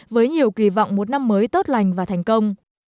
với nhiều kỳ vọng một năm mới tốt lành và thành công